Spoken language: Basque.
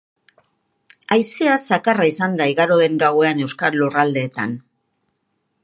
Haizea zakarra izan da igaro den gauean euskal lurraldeetan.